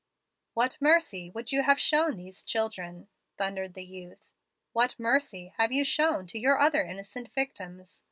"'What mercy would you have shown these children?' thundered the youth. 'What mercy have you shown to your other innocent victims?'